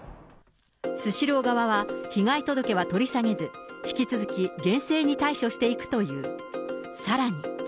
スシロー側は、被害届は取り下げず、引き続き厳正に対処していくという。